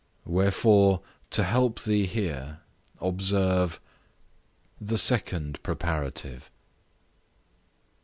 Wherefore to help thee here, observe, II. The second preparative.